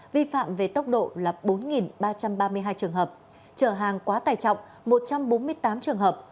vi phạm về tốc độ là bốn ba trăm ba mươi hai trường hợp trở hàng quá tài trọng một trăm bốn mươi tám trường hợp